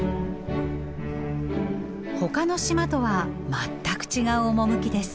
ほかの島とは全く違う趣です。